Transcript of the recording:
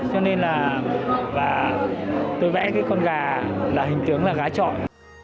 cho nên là tôi vẽ cái con gà là hình tướng là gà trọi